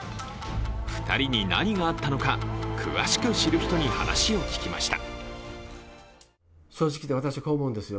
２人に何があったのか、詳しく知る人に話を聞きました。